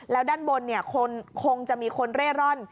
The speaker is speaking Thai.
แล้วด้านบนคงจะมีคนเร่ร่อน